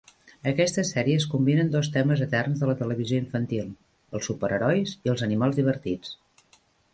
Aquestes sèries combinen dos temes eterns de la televisió infantil: els superherois i els animals divertits.